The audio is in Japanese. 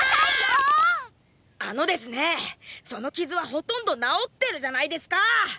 あのですねーその傷はほとんど治ってるじゃないですかあー！